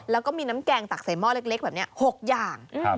แล้วก็มีน้ำแกงตักใส่หม้อเล็กแบบนี้๖อย่าง